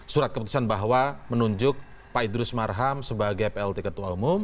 surat keputusan bahwa menunjuk pak idrus marham sebagai plt ketua umum